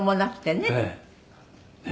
「ねえ。